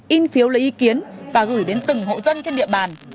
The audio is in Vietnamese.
in phiếu lấy ý kiến và gửi đến từng hộ dân trên địa bàn